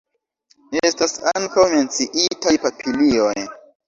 Estas ankaŭ menciitaj papilioj.